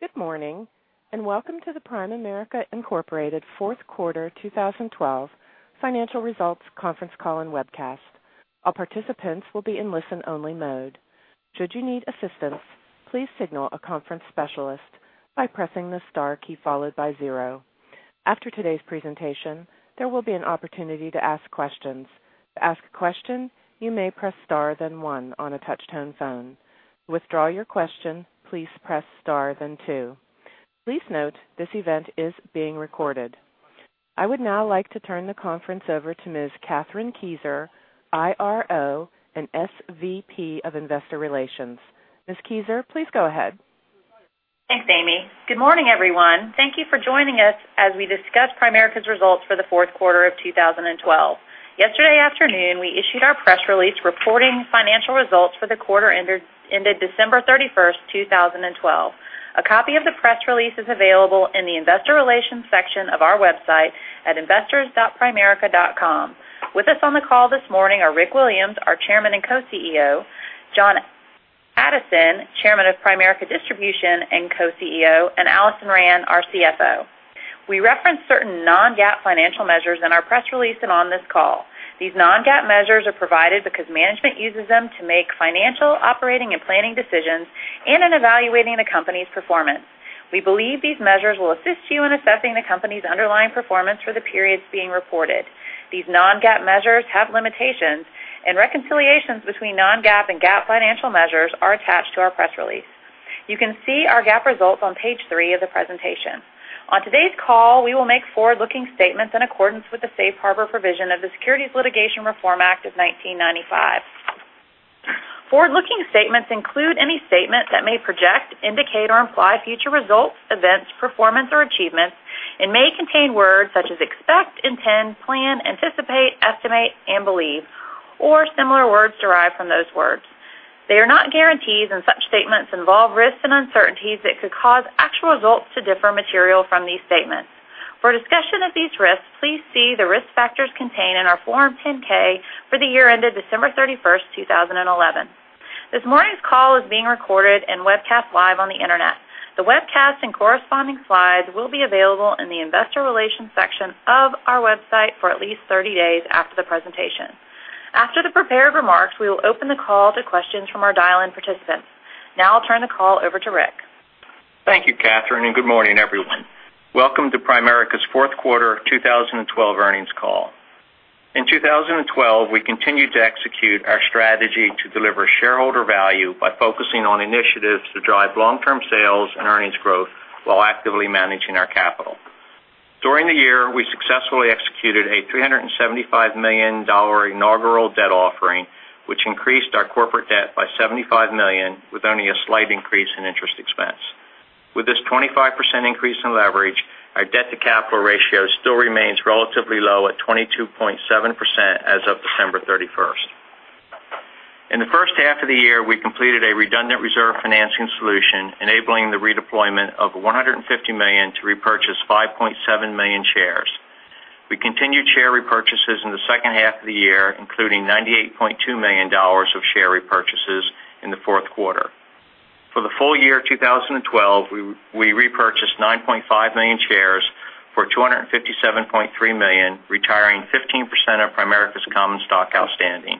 Good morning, welcome to the Primerica, Inc. fourth quarter 2012 financial results conference call and webcast. All participants will be in listen-only mode. Should you need assistance, please signal a conference specialist by pressing the star key followed by zero. After today's presentation, there will be an opportunity to ask questions. To ask a question, you may press star, then one on a touch-tone phone. To withdraw your question, please press star, then two. Please note this event is being recorded. I would now like to turn the conference over to Ms. Kathryn Kieser, IRO and SVP of Investor Relations. Ms. Kieser, please go ahead. Thanks, Amy. Good morning, everyone. Thank you for joining us as we discuss Primerica's results for the fourth quarter of 2012. Yesterday afternoon, we issued our press release reporting financial results for the quarter ended December 31st, 2012. A copy of the press release is available in the investor relations section of our website at investors.primerica.com. With us on the call this morning are Rick Williams, our Chairman and Co-CEO, John Addison, Chairman of Primerica Distribution and Co-CEO, and Alison Rand, our CFO. We reference certain non-GAAP financial measures in our press release on this call. These non-GAAP measures are provided because management uses them to make financial, operating, and planning decisions in evaluating the company's performance. We believe these measures will assist you in assessing the company's underlying performance for the periods being reported. These non-GAAP measures have limitations, reconciliations between non-GAAP and GAAP financial measures are attached to our press release. You can see our GAAP results on page three of the presentation. On today's call, we will make forward-looking statements in accordance with the safe harbor provision of the Securities Litigation Reform Act of 1995. Forward-looking statements include any statement that may project, indicate, or imply future results, events, performance, or achievements and may contain words such as expect, intend, plan, anticipate, estimate, and believe, or similar words derived from those words. They are not guarantees, such statements involve risks and uncertainties that could cause actual results to differ materially from these statements. For a discussion of these risks, please see the risk factors contained in our Form 10-K for the year ended December 31st, 2011. This morning's call is being recorded and webcast live on the internet. The webcast and corresponding slides will be available in the investor relations section of our website for at least 30 days after the presentation. After the prepared remarks, we will open the call to questions from our dial-in participants. Now I'll turn the call over to Rick. Thank you, Kathryn, and good morning, everyone. Welcome to Primerica's fourth quarter 2012 earnings call. In 2012, we continued to execute our strategy to deliver shareholder value by focusing on initiatives to drive long-term sales and earnings growth while actively managing our capital. During the year, we successfully executed a $375 million inaugural debt offering, which increased our corporate debt by $75 million with only a slight increase in interest expense. With this 25% increase in leverage, our debt-to-capital ratio still remains relatively low at 22.7% as of December 31st. In the first half of the year, we completed a redundant reserve financing solution enabling the redeployment of $150 million to repurchase 5.7 million shares. We continued share repurchases in the second half of the year, including $98.2 million of share repurchases in the fourth quarter. For the full year 2012, we repurchased 9.5 million shares for $257.3 million, retiring 15% of Primerica's common stock outstanding.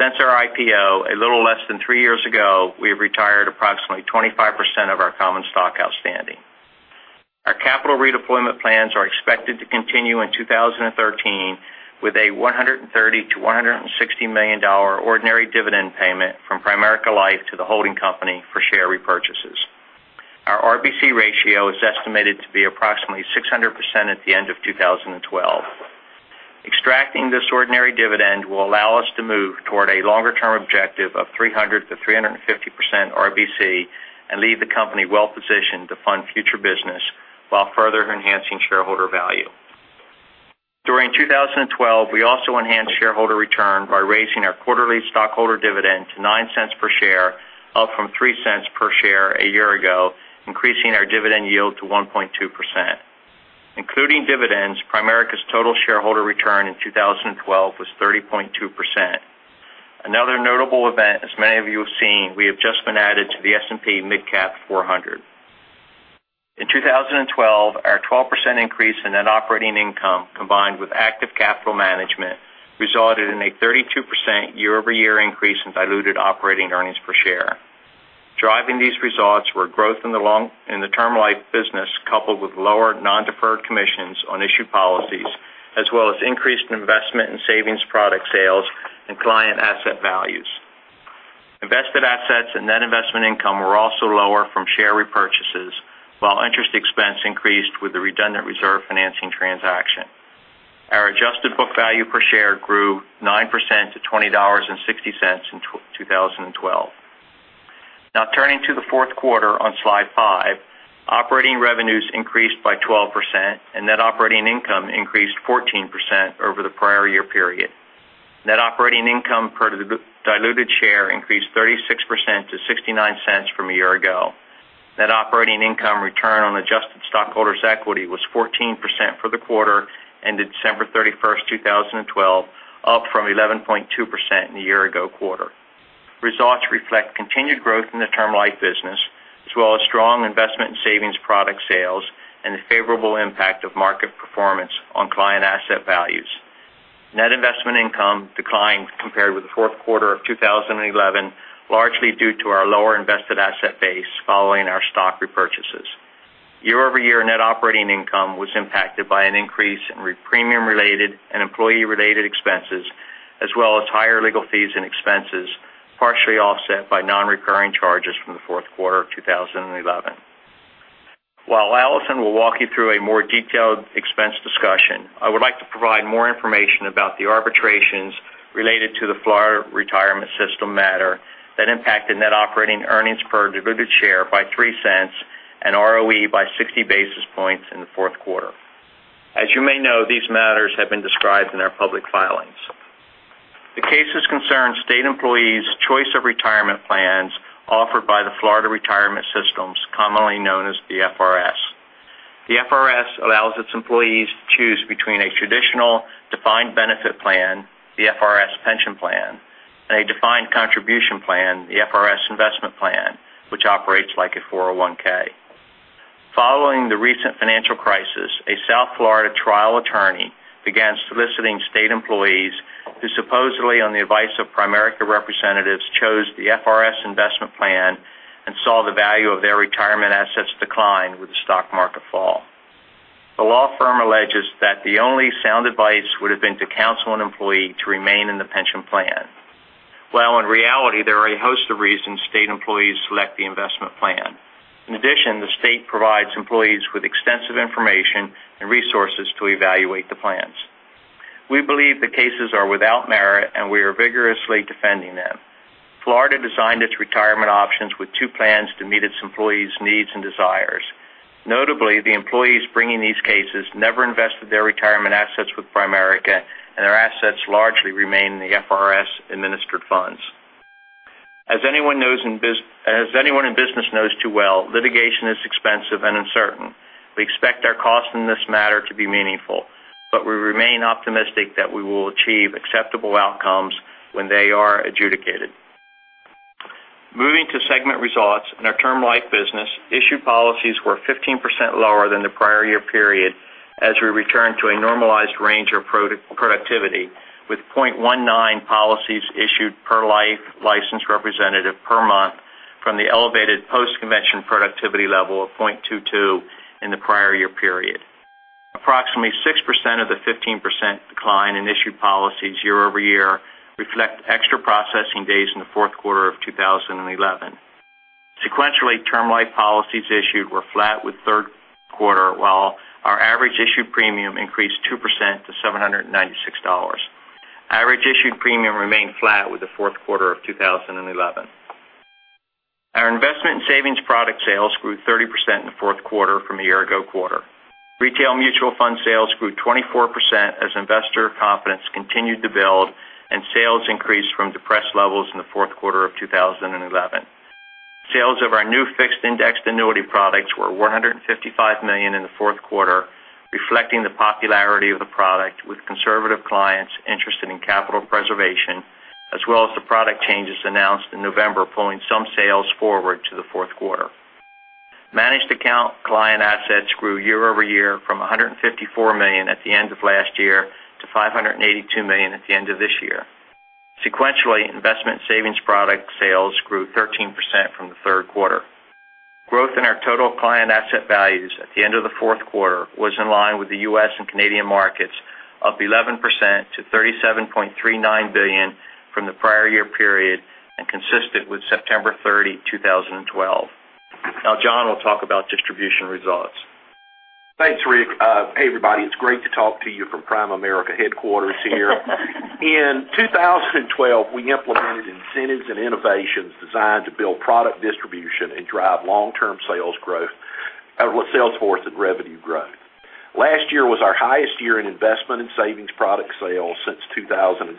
Since our IPO a little less than three years ago, we have retired approximately 25% of our common stock outstanding. Our capital redeployment plans are expected to continue in 2013 with a $130 million-$160 million ordinary dividend payment from Primerica Life to the holding company for share repurchases. Our RBC ratio is estimated to be approximately 600% at the end of 2012. Extracting this ordinary dividend will allow us to move toward a longer-term objective of 300%-350% RBC and leave the company well-positioned to fund future business while further enhancing shareholder value. During 2012, we also enhanced shareholder return by raising our quarterly stockholder dividend to $0.09 per share, up from $0.03 per share a year ago, increasing our dividend yield to 1.2%. Including dividends, Primerica's total shareholder return in 2012 was 30.2%. Another notable event, as many of you have seen, we have just been added to the S&P MidCap 400. In 2012, our 12% increase in net operating income, combined with active capital management, resulted in a 32% year-over-year increase in diluted operating earnings per share. Driving these results were growth in the term life business, coupled with lower non-deferred commissions on issued policies, as well as increased investment in savings product sales and client asset values. Invested assets and net investment income were also lower from share repurchases, while interest expense increased with the redundant reserve financing transaction. Our adjusted book value per share grew 9% to $20.60 in 2012. Turning to the fourth quarter on slide five, operating revenues increased by 12%, net operating income increased 14% over the prior year period. Net operating income per diluted share increased 36% to $0.69 from a year ago. Net operating income return on adjusted stockholders' equity was 14% for the quarter ended December 31st, 2012, up from 11.2% in the year ago quarter. Results reflect continued growth in the term life business, as well as strong investment in savings product sales and the favorable impact of market performance on client asset values. Net investment income declined compared with the fourth quarter of 2011, largely due to our lower invested asset base following our stock repurchases. Year-over-year, net operating income was impacted by an increase in premium related and employee related expenses, as well as higher legal fees and expenses, partially offset by non-recurring charges from the fourth quarter of 2011. While Alison will walk you through a more detailed expense discussion, I would like to provide more information about the arbitrations related to the Florida Retirement System matter that impacted net operating earnings per diluted share by $0.03 and ROE by 60 basis points in the fourth quarter. As you may know, these matters have been described in our public filings. The cases concern state employees' choice of retirement plans offered by the Florida Retirement System, commonly known as the FRS. The FRS allows its employees to choose between a traditional defined benefit plan, the FRS Pension Plan, and a defined contribution plan, the FRS Investment Plan, which operates like a 401(k). Following the recent financial crisis, a South Florida trial attorney began soliciting state employees who supposedly, on the advice of Primerica representatives, chose the FRS Investment Plan and saw the value of their retirement assets decline with the stock market fall. The law firm alleges that the only sound advice would have been to counsel an employee to remain in the pension plan. Well, in reality, there are a host of reasons state employees select the investment plan. In addition, the state provides employees with extensive information and resources to evaluate the plans. We believe the cases are without merit, and we are vigorously defending them. Florida designed its retirement options with two plans to meet its employees' needs and desires. Notably, the employees bringing these cases never invested their retirement assets with Primerica, and their assets largely remain in the FRS administered funds. As anyone in business knows too well, litigation is expensive and uncertain. We expect our cost in this matter to be meaningful, but we remain optimistic that we will achieve acceptable outcomes when they are adjudicated. Moving to segment results in our Term Life business, issued policies were 15% lower than the prior year period as we return to a normalized range of productivity, with 0.19 policies issued per life license representative per month from the elevated post-convention productivity level of 0.22 in the prior year period. Approximately 6% of the 15% decline in issued policies year-over-year reflect extra processing days in the fourth quarter of 2011. Sequentially, Term Life policies issued were flat with third quarter, while our average issued premium increased 2% to $796. Average issued premium remained flat with the fourth quarter of 2011. Our investment and savings product sales grew 30% in the fourth quarter from a year ago quarter. Retail mutual fund sales grew 24% as investor confidence continued to build and sales increased from depressed levels in the fourth quarter of 2011. Sales of our new fixed indexed annuity products were $155 million in the fourth quarter, reflecting the popularity of the product with conservative clients interested in capital preservation, as well as the product changes announced in November, pulling some sales forward to the fourth quarter. Managed account client assets grew year-over-year from $154 million at the end of last year to $582 million at the end of this year. Sequentially, investment savings product sales grew 13% from the third quarter. Growth in our total client asset values at the end of the fourth quarter was in line with the U.S. and Canadian markets, up 11% to $37.39 billion from the prior year period and consistent with September 30, 2012. John will talk about distribution results. Thanks, Rick. Hey, everybody. It's great to talk to you from Primerica headquarters here. In 2012, we implemented incentives and innovations designed to build product distribution and drive long-term sales force and revenue growth. Last year was our highest year in investment and savings product sales since 2007.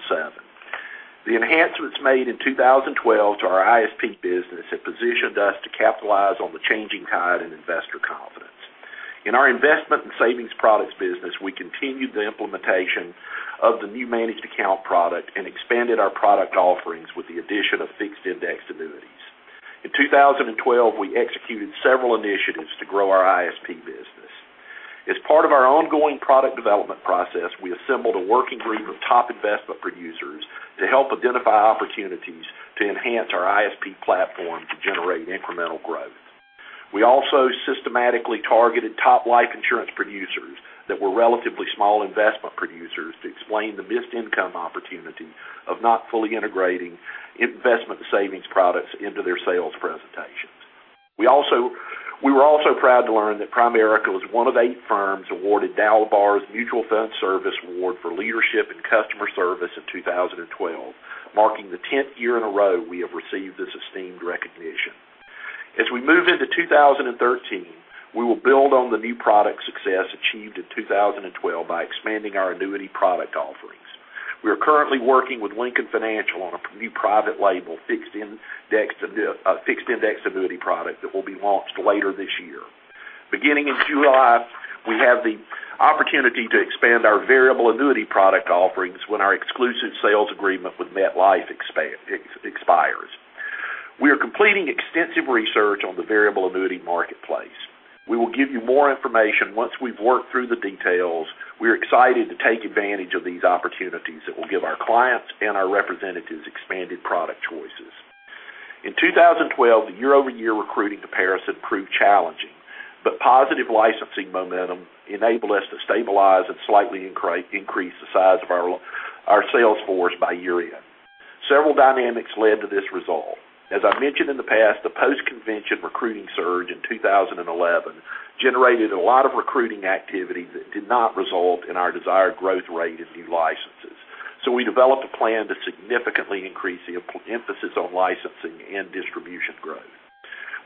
The enhancements made in 2012 to our ISP business have positioned us to capitalize on the changing tide in investor confidence. In our investment and savings products business, we continued the implementation of the new managed account product and expanded our product offerings with the addition of fixed indexed annuities. In 2012, we executed several initiatives to grow our ISP business. As part of our ongoing product development process, we assembled a working group of top investment producers to help identify opportunities to enhance our ISP platform to generate incremental growth. We also systematically targeted top life insurance producers that were relatively small investment producers to explain the missed income opportunity of not fully integrating investment savings products into their sales presentations. We were also proud to learn that Primerica was one of eight firms awarded DALBAR Mutual Fund Service Award for leadership in customer service in 2012, marking the tenth year in a row we have received this esteemed recognition. As we move into 2013, we will build on the new product success achieved in 2012 by expanding our annuity product offering. We are currently working with Lincoln Financial on a new private label fixed indexed annuity product that will be launched later this year. Beginning in July, we have the opportunity to expand our variable annuity product offerings when our exclusive sales agreement with MetLife expires. We are completing extensive research on the variable annuity marketplace. We will give you more information once we've worked through the details. We're excited to take advantage of these opportunities that will give our clients and our representatives expanded product choices. In 2012, the year-over-year recruiting comparison proved challenging, but positive licensing momentum enabled us to stabilize and slightly increase the size of our sales force by year-end. Several dynamics led to this result. As I mentioned in the past, the post-convention recruiting surge in 2011 generated a lot of recruiting activity that did not result in our desired growth rate in new licenses. We developed a plan to significantly increase the emphasis on licensing and distribution growth.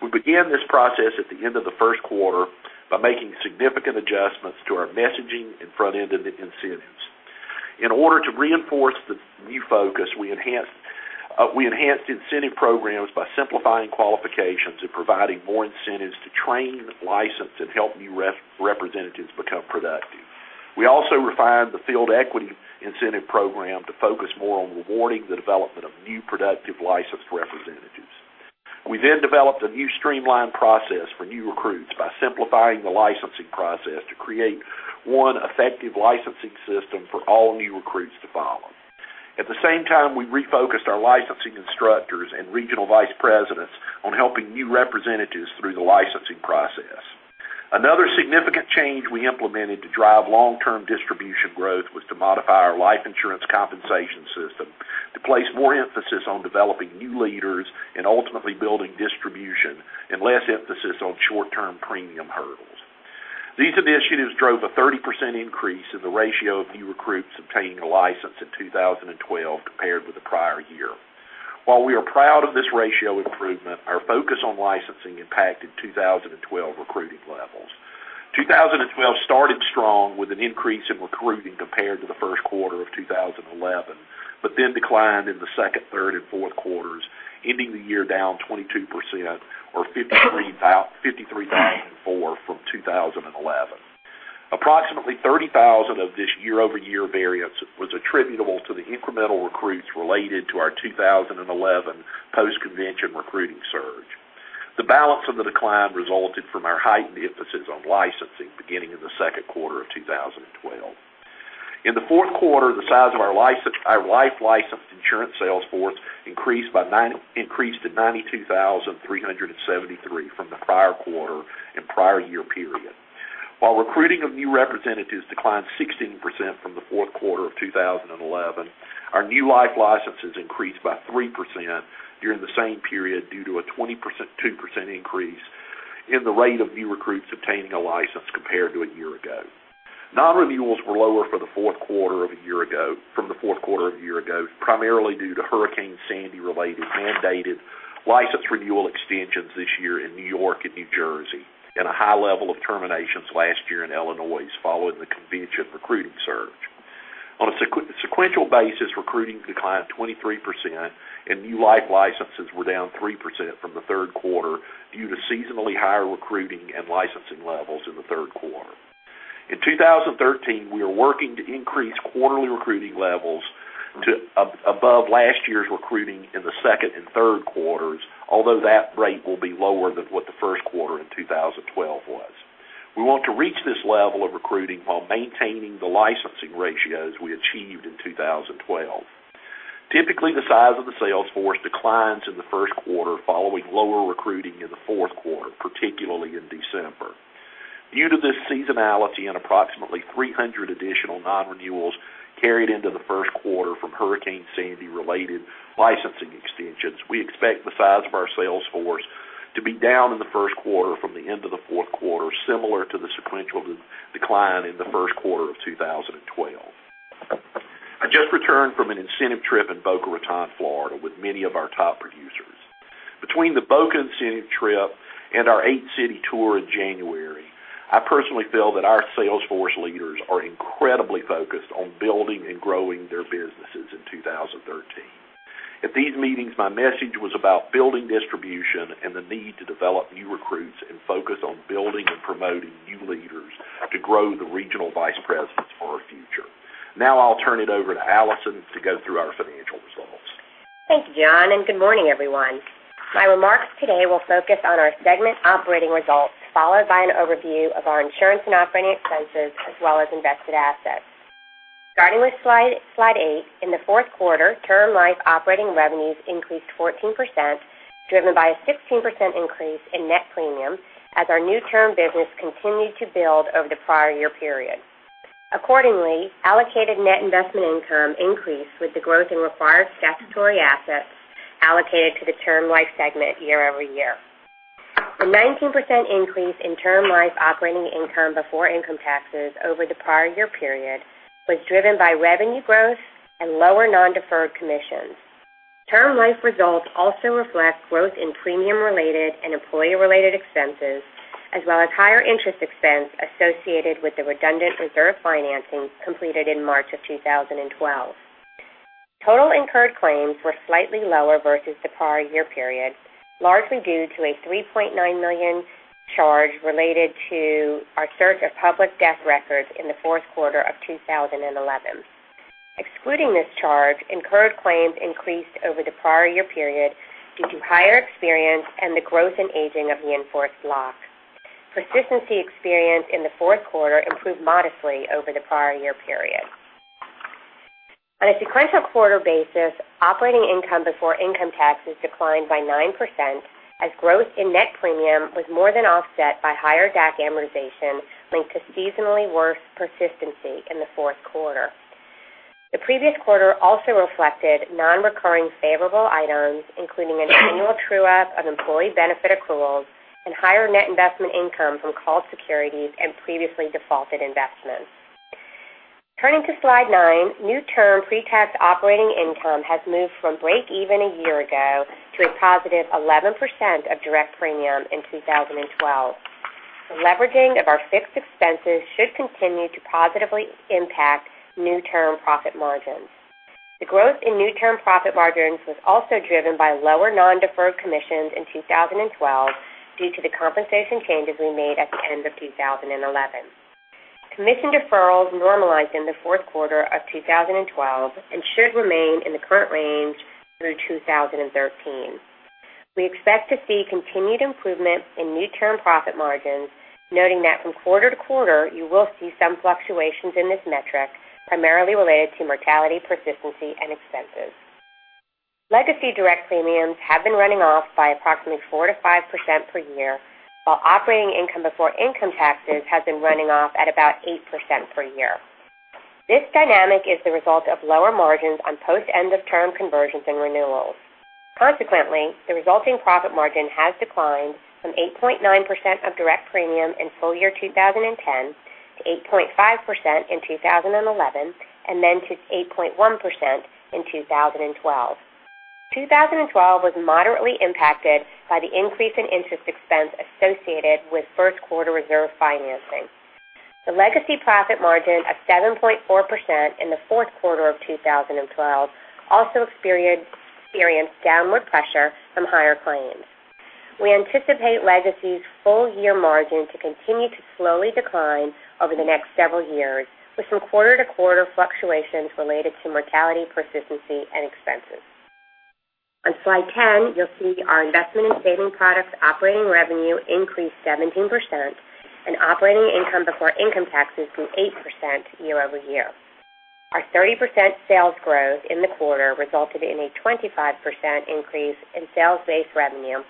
We began this process at the end of the first quarter by making significant adjustments to our messaging and front-end incentives. In order to reinforce the new focus, we enhanced incentive programs by simplifying qualifications and providing more incentives to train, license, and help new representatives become productive. We also refined the field equity incentive program to focus more on rewarding the development of new productive licensed representatives. We developed a new streamlined process for new recruits by simplifying the licensing process to create one effective licensing system for all new recruits to follow. At the same time, we refocused our licensing instructors and regional vice presidents on helping new representatives through the licensing process. Another significant change we implemented to drive long-term distribution growth was to modify our life insurance compensation system to place more emphasis on developing new leaders and ultimately building distribution, and less emphasis on short-term premium hurdles. These initiatives drove a 30% increase in the ratio of new recruits obtaining a license in 2012 compared with the prior year. While we are proud of this ratio improvement, our focus on licensing impacted 2012 recruiting levels. 2012 started strong with an increase in recruiting compared to the first quarter of 2011, declined in the second, third, and fourth quarters, ending the year down 22% or 53,004 from 2011. Approximately 30,000 of this year-over-year variance was attributable to the incremental recruits related to our 2011 post-convention recruiting surge. The balance of the decline resulted from our heightened emphasis on licensing beginning in the second quarter of 2012. In the fourth quarter, the size of our life licensed insurance sales force increased to 92,373 from the prior quarter and prior year period. While recruiting of new representatives declined 16% from the fourth quarter of 2011, our new life licenses increased by 3% during the same period due to a 22% increase in the rate of new recruits obtaining a license compared to a year ago. Non-renewals were lower from the fourth quarter of a year ago, primarily due to Hurricane Sandy related mandated license renewal extensions this year in New York and New Jersey, and a high level of terminations last year in Illinois following the convention recruiting surge. On a sequential basis, recruiting declined 23% and new life licenses were down 3% from the third quarter due to seasonally higher recruiting and licensing levels in the third quarter. In 2013, we are working to increase quarterly recruiting levels to above last year's recruiting in the second and third quarters, although that rate will be lower than what the first quarter in 2012 was. We want to reach this level of recruiting while maintaining the licensing ratios we achieved in 2012. Typically, the size of the sales force declines in the first quarter following lower recruiting in the fourth quarter, particularly in December. Due to this seasonality and approximately 300 additional non-renewals carried into the first quarter from Hurricane Sandy related licensing extensions, we expect the size of our sales force to be down in the first quarter from the end of the fourth quarter, similar to the sequential decline in the first quarter of 2012. I just returned from an incentive trip in Boca Raton, Florida, with many of our top producers. Between the Boca incentive trip and our eight-city tour in January, I personally feel that our sales force leaders are incredibly focused on building and growing their businesses in 2013. At these meetings, my message was about building distribution and the need to develop new recruits and focus on building and promoting new leaders to grow the regional vice presidents for our future. I'll turn it over to Alison to go through our financial results. Thank you, John, good morning, everyone. My remarks today will focus on our segment operating results, followed by an overview of our insurance and operating expenses, as well as invested assets. Starting with slide eight, in the fourth quarter, term life operating revenues increased 14%, driven by a 16% increase in net premium as our new term business continued to build over the prior year period. Accordingly, allocated net investment income increased with the growth in required statutory assets allocated to the term life segment year-over-year. A 19% increase in term life operating income before income taxes over the prior year period was driven by revenue growth and lower non-deferred commissions. Term life results also reflect growth in premium-related and employee-related expenses, as well as higher interest expense associated with the redundant reserve financing completed in March of 2012. Total incurred claims were slightly lower versus the prior year period, largely due to a $3.9 million charge related to our search of public death records in the fourth quarter of 2011. Excluding this charge, incurred claims increased over the prior year period due to higher experience and the growth in aging of the in-force block. Persistency experience in the fourth quarter improved modestly over the prior year period. On a sequential quarter basis, operating income before income taxes declined by 9%, as growth in net premium was more than offset by higher DAC amortization linked to seasonally worse persistency in the fourth quarter. The previous quarter also reflected non-recurring favorable items, including an annual true-up of employee benefit accruals and higher net investment income from called securities and previously defaulted investments. Turning to slide nine, new term pre-tax operating income has moved from breakeven a year ago to a positive 11% of direct premium in 2012. The leveraging of our fixed expenses should continue to positively impact new term profit margins. The growth in new term profit margins was also driven by lower non-deferred commissions in 2012 due to the compensation changes we made at the end of 2011. Commission deferrals normalized in the fourth quarter of 2012 and should remain in the current range through 2013. We expect to see continued improvement in new term profit margins, noting that from quarter to quarter, you will see some fluctuations in this metric, primarily related to mortality, persistency, and expenses. Legacy direct premiums have been running off by approximately 4%-5% per year, while operating income before income taxes has been running off at about 8% per year. This dynamic is the result of lower margins on post-end of term conversions and renewals. The resulting profit margin has declined from 8.9% of direct premium in full year 2010 to 8.5% in 2011, and then to 8.1% in 2012. 2012 was moderately impacted by the increase in interest expense associated with first-quarter reserve financing. The legacy profit margin of 7.4% in the fourth quarter of 2012 also experienced downward pressure from higher claims. We anticipate legacy's full-year margin to continue to slowly decline over the next several years, with some quarter-to-quarter fluctuations related to mortality, persistency, and expenses. On slide 10, you'll see our investment in saving products operating revenue increased 17%, and operating income before income taxes grew 8% year-over-year. Our 30% sales growth in the quarter resulted in a 25% increase in sales-based revenue,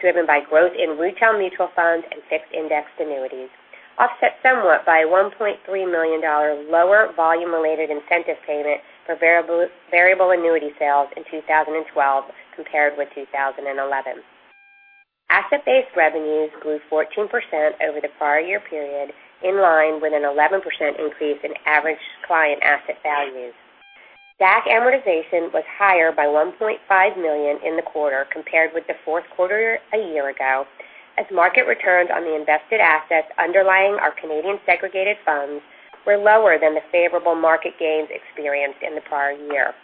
driven by growth in retail mutual funds and fixed indexed annuities, offset somewhat by a $1.3 million lower volume-related incentive payment for variable annuity sales in 2012 compared with 2011. Asset-based revenues grew 14% over the prior year period, in line with an 11% increase in average client asset values. DAC amortization was higher by $1.5 million in the quarter compared with the fourth quarter a year ago, as market returns on the invested assets underlying our Canadian segregated funds were lower than the favorable market gains experienced in the prior year.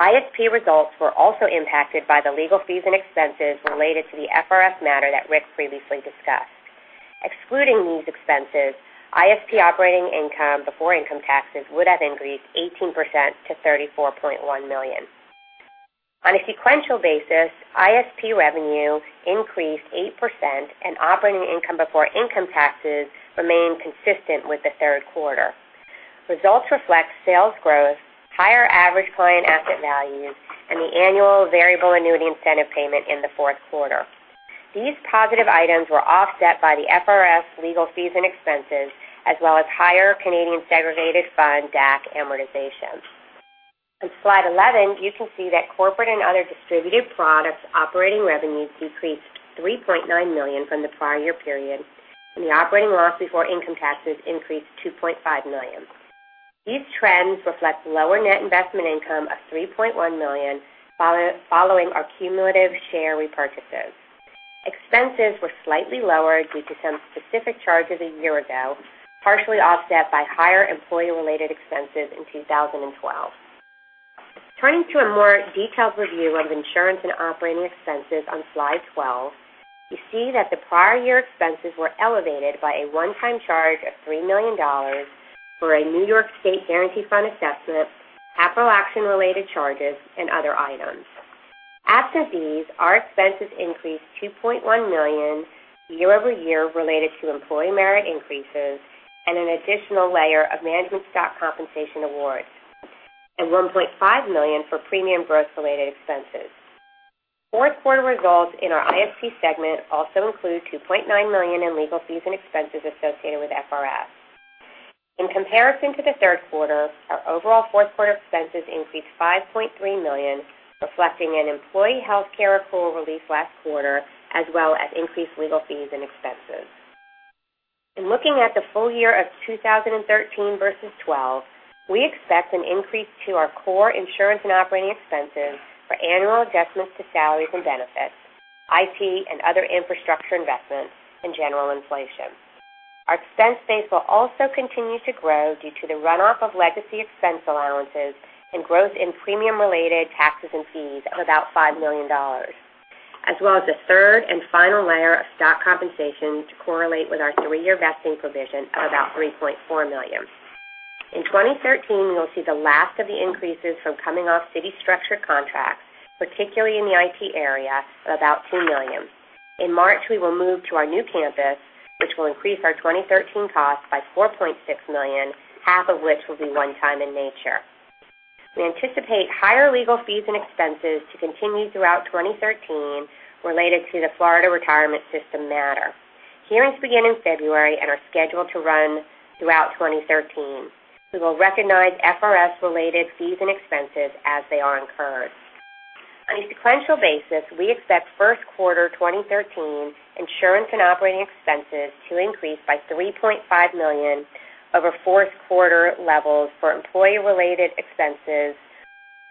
ISP results were also impacted by the legal fees and expenses related to the FRS matter that Rick previously discussed. Excluding these expenses, ISP operating income before income taxes would have increased 18% to $34.1 million. On a sequential basis, ISP revenue increased 8%, and operating income before income taxes remained consistent with the third quarter. Results reflect sales growth, higher average client asset values, and the annual variable annuity incentive payment in the fourth quarter. These positive items were offset by the FRS legal fees and expenses, as well as higher Canadian segregated fund DAC amortization. On slide 11, you can see that corporate and other distributed products operating revenues decreased $3.9 million from the prior year period, and the operating loss before income taxes increased $2.5 million. These trends reflect lower net investment income of $3.1 million following our cumulative share repurchases. Expenses were slightly lower due to some specific charges a year ago, partially offset by higher employee-related expenses in 2012. Turning to a more detailed review of insurance and operating expenses on slide 12, you see that the prior year expenses were elevated by a one-time charge of $3 million for a New York State Guarantee Fund assessment, capital action-related charges, and other items. Absent these, our expenses increased $2.1 million year-over-year related to employee merit increases and an additional layer of management stock compensation awards, and $1.5 million for premium growth-related expenses. Fourth quarter results in our ISP segment also include $2.9 million in legal fees and expenses associated with FRS. Comparison to the third quarter, our overall fourth quarter expenses increased $5.3 million, reflecting an employee healthcare accrual release last quarter, as well as increased legal fees and expenses. In looking at the full year of 2013 versus 2012, we expect an increase to our core insurance and operating expenses for annual adjustments to salaries and benefits, IT and other infrastructure investments, and general inflation. Our expense base will also continue to grow due to the runoff of legacy expense allowances and growth in premium-related taxes and fees of about $5 million, as well as the third and final layer of stock compensation to correlate with our three-year vesting provision of about $3.4 million. In 2013, we will see the last of the increases from coming off Citi structure contracts, particularly in the IT area, of about $2 million. In March, we will move to our new campus, which will increase our 2013 cost by $4.6 million, half of which will be one-time in nature. We anticipate higher legal fees and expenses to continue throughout 2013 related to the Florida Retirement System matter. Hearings begin in February and are scheduled to run throughout 2013. We will recognize FRS-related fees and expenses as they are incurred. On a sequential basis, we expect first quarter 2013 insurance and operating expenses to increase by $3.5 million over fourth quarter levels for employee-related expenses,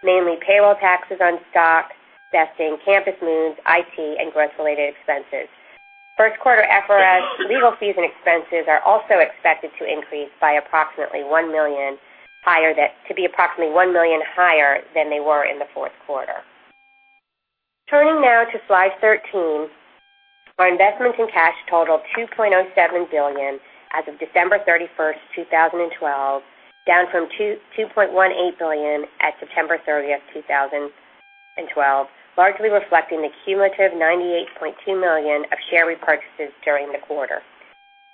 mainly payroll taxes on stock vesting, campus moves, IT, and growth-related expenses. First quarter FRS legal fees and expenses are also expected to increase to be approximately $1 million higher than they were in the fourth quarter. Turning now to slide 13, our investments in cash total $2.07 billion as of December 31st, 2012, down from $2.18 billion at September 30th, 2012, largely reflecting the cumulative $98.2 million of share repurchases during the quarter.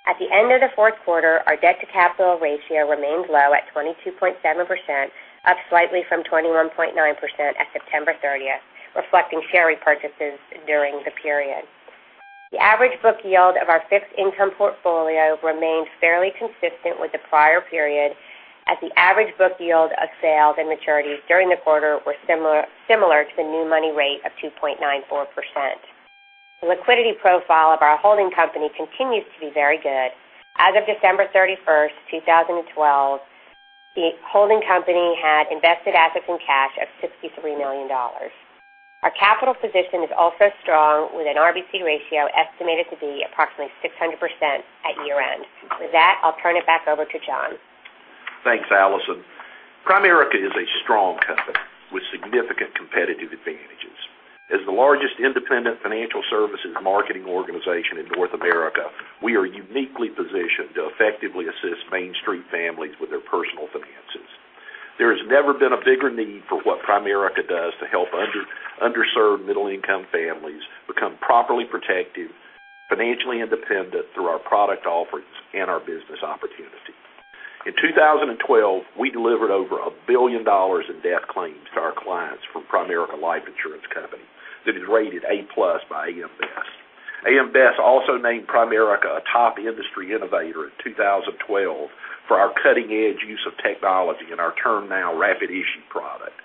At the end of the fourth quarter, our debt-to-capital ratio remained low at 22.7%, up slightly from 21.9% at September 30th, reflecting share repurchases during the period. The average book yield of our fixed income portfolio remained fairly consistent with the prior period, as the average book yield of sales and maturities during the quarter were similar to the new money rate of 2.94%. The liquidity profile of our holding company continues to be very good. As of December 31st, 2012, the holding company had invested assets in cash of $63 million. Our capital position is also strong, with an RBC ratio estimated to be approximately 600% at year-end. With that, I'll turn it back over to John. Thanks, Alison. Primerica is a strong company with significant competitive advantages. As the largest independent financial services marketing organization in North America, we are uniquely positioned to effectively assist Main Street families with their personal finances. There has never been a bigger need for what Primerica does to help underserved middle-income families become properly protected, financially independent through our product offerings and our business opportunity. In 2012, we delivered over $1 billion in death claims to our clients from Primerica Life Insurance Company that is rated A+ by AM Best. AM Best also named Primerica a top industry innovator in 2012 for our cutting-edge use of technology and our TermNow rapid issue product.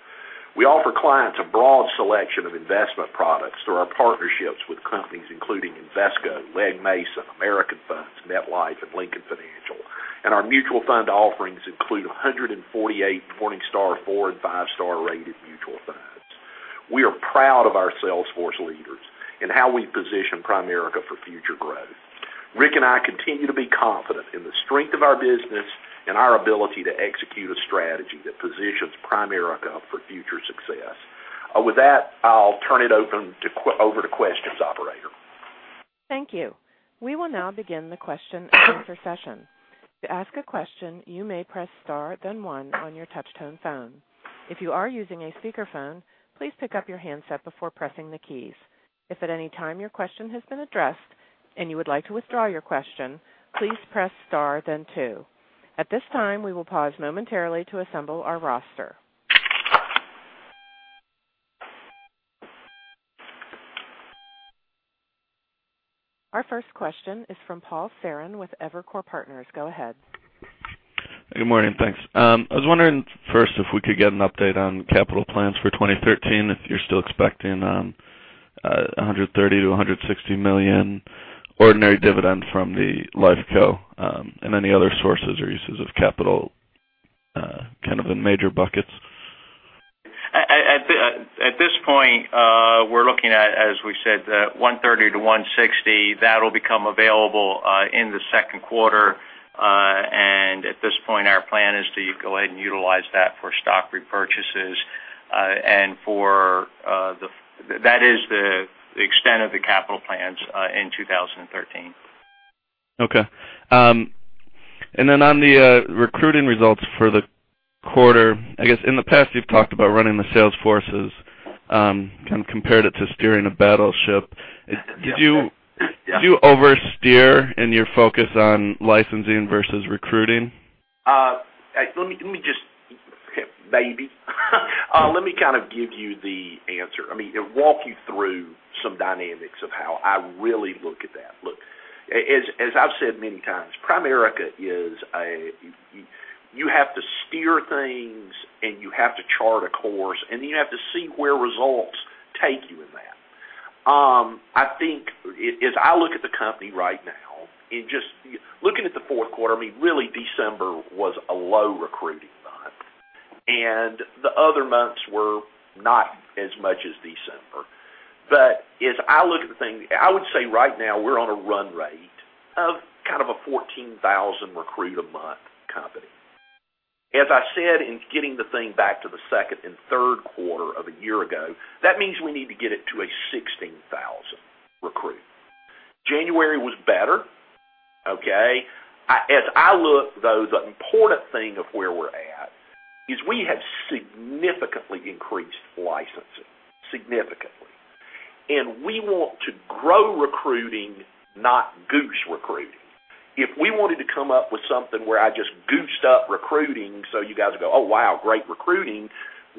We offer clients a broad selection of investment products through our partnerships with companies including Invesco, Legg Mason, American Funds, MetLife, and Lincoln Financial, and our mutual fund offerings include 148 Morningstar four- and five-star-rated mutual funds. We are proud of our sales force leaders and how we position Primerica for future growth. Rick and I continue to be confident in the strength of our business and our ability to execute a strategy that positions Primerica for future success. With that, I'll turn it over to questions, operator. Thank you. We will now begin the question and answer session. To ask a question, you may press star then one on your touch-tone phone. If you are using a speakerphone, please pick up your handset before pressing the keys. If at any time your question has been addressed and you would like to withdraw your question, please press star then two. At this time, we will pause momentarily to assemble our roster. Our first question is from Paul Ferrin with Evercore Partners. Go ahead. Good morning. Thanks. I was wondering first if we could get an update on capital plans for 2013, if you're still expecting $130 million-$160 million ordinary dividends from the Life Co., and any other sources or uses of capital, kind of in major buckets. At this point, we're looking at, as we said, $130-$160. That'll become available in the second quarter. At this point, our plan is to go ahead and utilize that for stock repurchases. That is the extent of the capital plans in 2013. Okay. On the recruiting results for the quarter, I guess in the past, you've talked about running the sales forces, kind of compared it to steering a battleship. Yeah. Did you oversteer in your focus on licensing versus recruiting? Maybe. Let me kind of give you the answer. I mean, walk you through some dynamics of how I really look at that. Look, as I've said many times, Primerica is. You have to steer things, you have to chart a course, then you have to see where results take you in that I think as I look at the company right now, looking at the fourth quarter, really December was a low recruiting month, the other months were not as much as December. As I look at the thing, I would say right now we're on a run rate of kind of a 14,000 recruit a month company. As I said, in getting the thing back to the second and third quarter of a year ago, that means we need to get it to a 16,000 recruit. January was better. Okay? As I look, though, the important thing of where we're at is we have significantly increased licensing. Significantly. We want to grow recruiting, not goose recruiting. If we wanted to come up with something where I just goosed up recruiting so you guys go, "Oh, wow. Great recruiting,"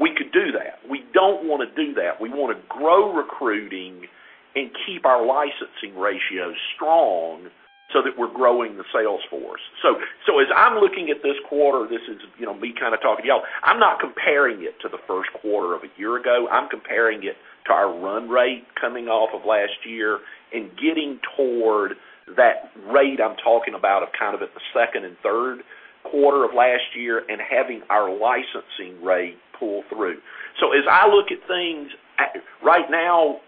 we could do that. We don't want to do that. We want to grow recruiting and keep our licensing ratios strong so that we're growing the sales force. As I'm looking at this quarter, this is me kind of talking to y'all. I'm not comparing it to the first quarter of a year ago. I'm comparing it to our run rate coming off of last year and getting toward that rate I'm talking about of kind of at the second and third quarter of last year and having our licensing rate pull through. As I look at things, right now,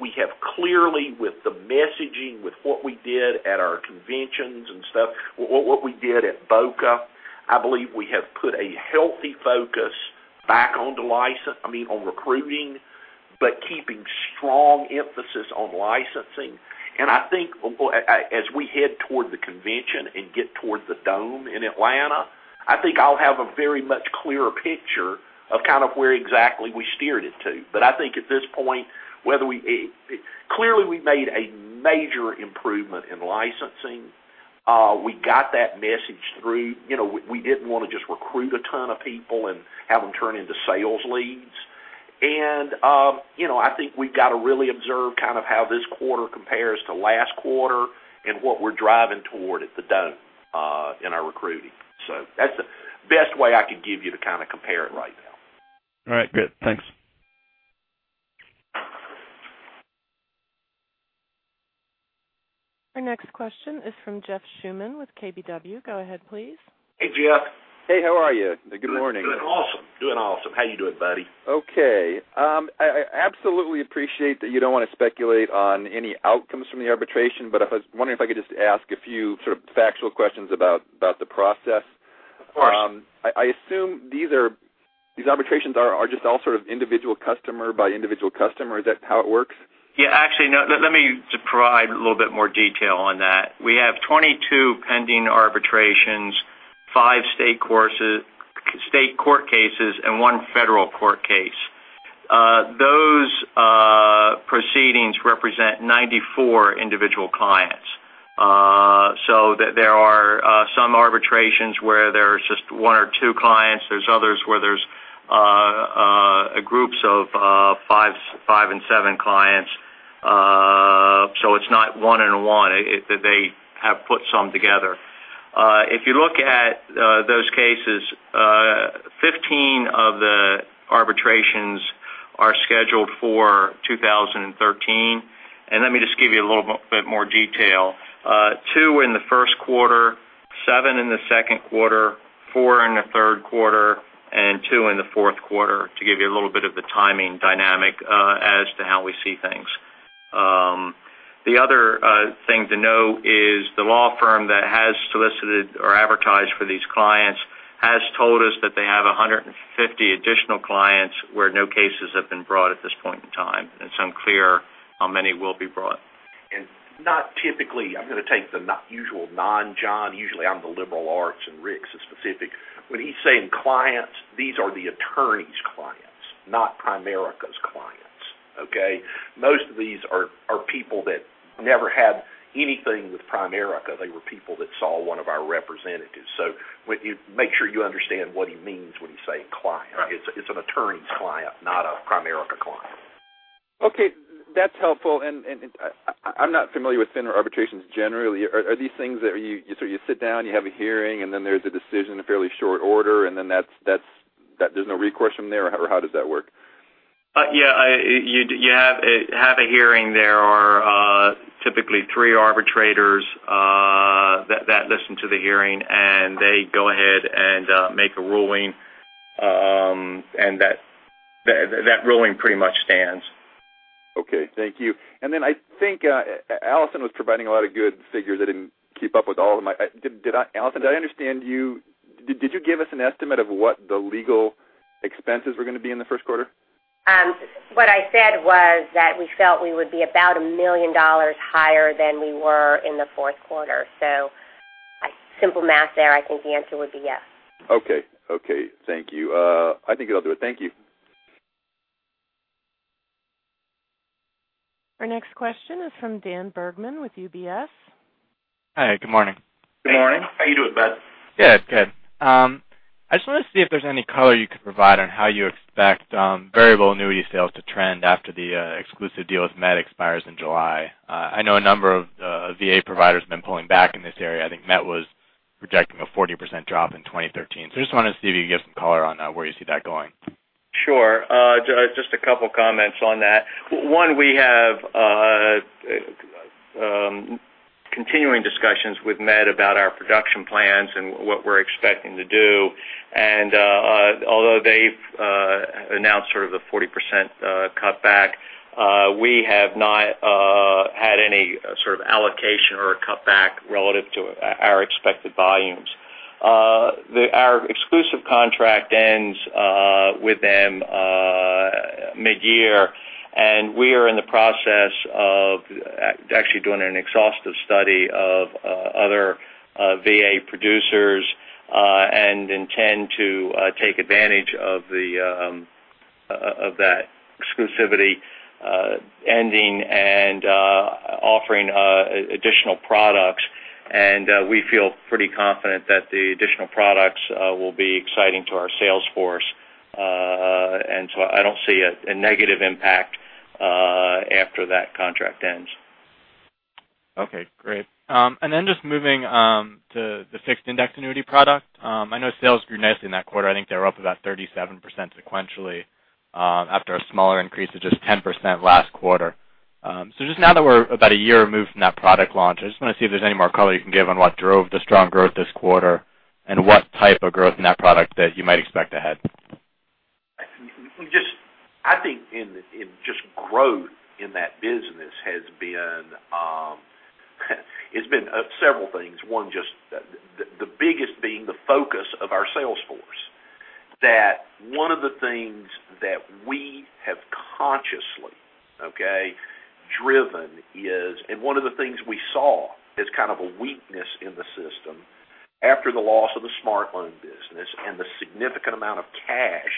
we have clearly with the messaging, with what we did at our conventions and stuff, what we did at Boca, I believe we have put a healthy focus back on recruiting, but keeping strong emphasis on licensing. I think as we head toward the convention and get towards the Dome in Atlanta, I think I'll have a very much clearer picture of kind of where exactly we steered it to. I think at this point, clearly we made a major improvement in licensing. We got that message through. We didn't want to just recruit a ton of people and have them turn into sales leads. I think we've got to really observe kind of how this quarter compares to last quarter and what we're driving toward at the Dome in our recruiting. That's the best way I could give you to kind of compare it right now. All right, good. Thanks. Our next question is from Jeff Schuman with KBW. Go ahead, please. Hey, Jeff. Hey, how are you? Good morning. Doing awesome. How you doing, buddy? Okay. I absolutely appreciate that you don't want to speculate on any outcomes from the arbitration, I was wondering if I could just ask a few sort of factual questions about the process. Of course. I assume these arbitrations are just all sort of individual customer by individual customer. Is that how it works? Actually, no. Let me just provide a little bit more detail on that. We have 22 pending arbitrations, five state court cases, and one federal court case. Those proceedings represent 94 individual clients. There are some arbitrations where there's just one or two clients. There's others where there's groups of five and seven clients. It's not one and one. They have put some together. If you look at those cases, 15 of the arbitrations are scheduled for 2013. Let me just give you a little bit more detail. Two in the first quarter, seven in the second quarter, four in the third quarter, and two in the fourth quarter to give you a little bit of the timing dynamic as to how we see things. The other thing to know is the law firm that has solicited or advertised for these clients has told us that they have 150 additional clients where no cases have been brought at this point in time. It's unclear how many will be brought. Not typically, I'm going to take the not usual non-John. Usually I'm the liberal arts and Rick's the specific. When he's saying clients, these are the attorney's clients, not Primerica's clients. Okay? Most of these are people that never had anything with Primerica. They were people that saw one of our representatives. Make sure you understand what he means when he's saying client. Right. It's an attorney's client, not a Primerica client. Okay. That's helpful. I'm not familiar with FINRA arbitrations generally. Are these things that you sit down, you have a hearing, and then there's a decision in fairly short order, and then there's no recourse from there, or how does that work? Yeah. You have a hearing. There are typically three arbitrators that listen to the hearing, and they go ahead and make a ruling, and that ruling pretty much stands. Okay. Thank you. Then I think Alison was providing a lot of good figures. I didn't keep up with all of them. Alison, did you give us an estimate of what the legal expenses were going to be in the first quarter? What I said was that we felt we would be about $1 million higher than we were in the fourth quarter. Simple math there, I think the answer would be yes. Okay. Thank you. I think that'll do it. Thank you. Our next question is from Dan Bergman with UBS. Hi, good morning. Good morning. How you doing, Dan? Good. I just wanted to see if there's any color you could provide on how you expect VA sales to trend after the exclusive deal with Met expires in July. I know a number of VA providers have been pulling back in this area. I think Met was projecting a 40% drop in 2013. I just wanted to see if you could give some color on where you see that going. Sure. Just a couple of comments on that. One, we have continuing discussions with MetLife about our production plans and what we're expecting to do. Although they've announced sort of the 40% cutback, we have not had any sort of allocation or a cutback relative to our expected volumes. Our exclusive contract ends with them mid-year, we are in the process of actually doing an exhaustive study of other VA producers, and intend to take advantage of that exclusivity ending and offering additional products. We feel pretty confident that the additional products will be exciting to our sales force. I don't see a negative impact after that contract ends. Okay, great. Just moving to the fixed indexed annuity product. I know sales grew nicely in that quarter. I think they were up about 37% sequentially after a smaller increase of just 10% last quarter. Just now that we're about a year removed from that product launch, I just want to see if there's any more color you can give on what drove the strong growth this quarter and what type of growth in that product that you might expect ahead. I think in just growth in that business has been several things. One, just the biggest being the focus of our sales force. One of the things that we have consciously driven is, one of the things we saw as kind of a weakness in the system after the loss of the SMART Loan business and the significant amount of cash,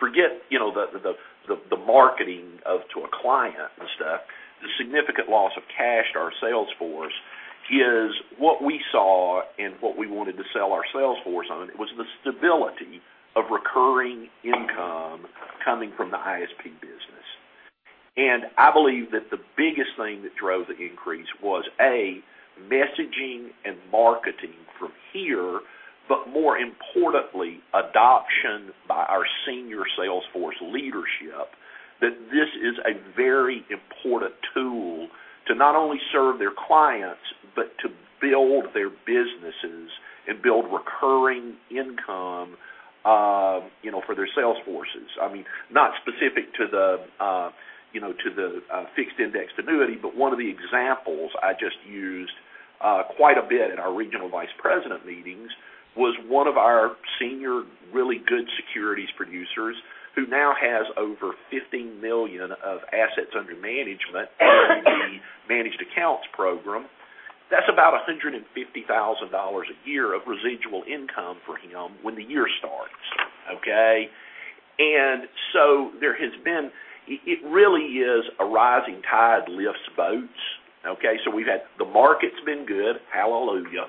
forget the marketing of to a client and stuff, the significant loss of cash to our sales force is what we saw and what we wanted to sell our sales force on. It was the stability of recurring income coming from the ISP business. I believe that the biggest thing that drove the increase was, A., messaging and marketing from here, but more importantly, adoption by our senior sales force leadership, that this is a very important tool to not only serve their clients, but to build their businesses and build recurring income for their sales forces. Not specific to the fixed indexed annuity, but one of the examples I just used quite a bit in our regional vice president meetings was one of our senior, really good securities producers who now has over $15 million of assets under management through the managed accounts program. That's about $150,000 a year of residual income for him when the year starts. It really is a rising tide lifts boats. The market's been good. Hallelujah.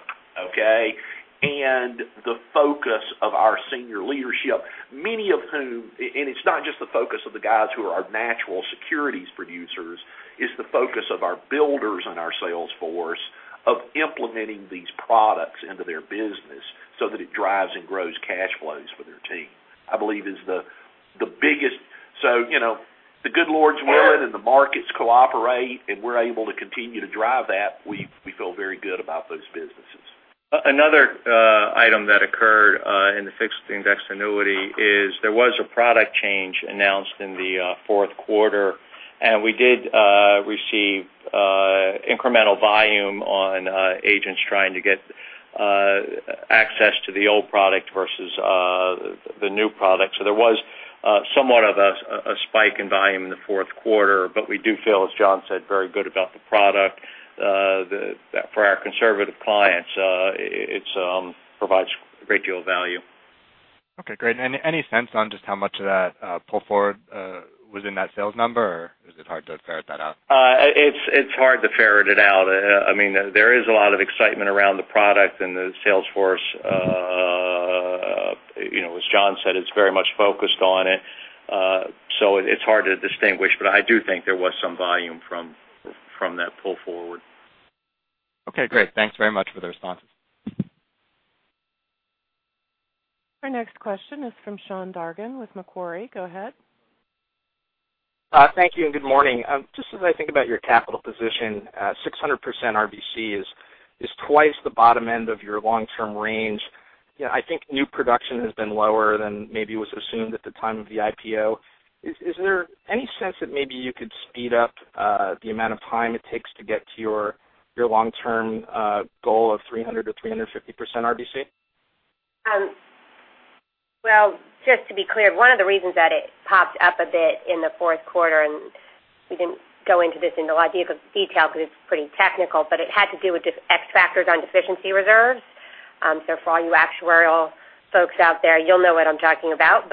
The focus of our senior leadership, many of whom, it's not just the focus of the guys who are our natural securities producers, is the focus of our builders and our sales force of implementing these products into their business so that it drives and grows cash flows for their team, I believe is the biggest. The good Lord's willing, the markets cooperate, we're able to continue to drive that, we feel very good about those businesses. Another item that occurred in the fixed indexed annuity is there was a product change announced in the fourth quarter, we did receive incremental volume on agents trying to get access to the old product versus the new product. There was somewhat of a spike in volume in the fourth quarter. We do feel, as John said, very good about the product. For our conservative clients, it provides a great deal of value. Okay, great. Any sense on just how much of that pull forward was in that sales number, or is it hard to ferret that out? It's hard to ferret it out. There is a lot of excitement around the product and the sales force. As John said, it's very much focused on it. It's hard to distinguish, but I do think there was some volume from that pull forward. Okay, great. Thanks very much for the responses. Our next question is from Sean Dargan with Macquarie. Go ahead. Thank you, and good morning. Just as I think about your capital position, 600% RBC is twice the bottom end of your long-term range. I think new production has been lower than maybe was assumed at the time of the IPO. Is there any sense that maybe you could speed up the amount of time it takes to get to your long-term goal of 300%-350% RBC? Well, just to be clear, one of the reasons that it popped up a bit in the fourth quarter, and we didn't go into this in a lot of detail because it's pretty technical, but it had to do with just X factors on deficiency reserves. For all you actuarial folks out there, you'll know what I'm talking about.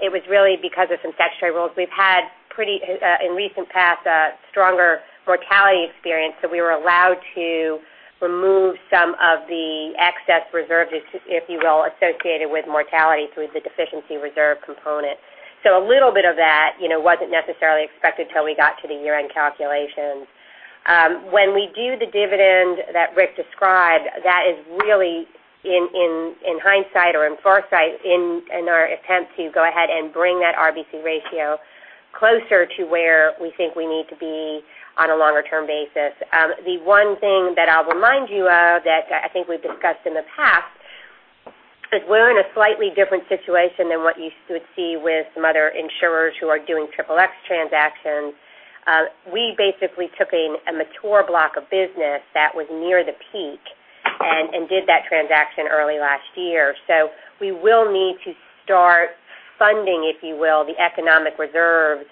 It was really because of some statutory rules. We've had pretty, in recent past, a stronger mortality experience, so we were allowed to remove some of the excess reserves, if you will, associated with mortality through the deficiency reserve component. A little bit of that wasn't necessarily expected till we got to the year-end calculations. When we do the dividend that Rick described, that is really in hindsight or in foresight in our attempt to go ahead and bring that RBC ratio closer to where we think we need to be on a longer-term basis. The one thing that I'll remind you of that I think we've discussed in the past is we're in a slightly different situation than what you would see with some other insurers who are doing triple X transactions. We basically took a mature block of business that was near the peak and did that transaction early last year. We will need to start funding, if you will, the economic reserves,